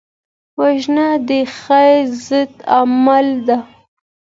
وژنه د خیر ضد عمل دی